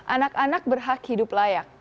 anak anak berhak hidup layak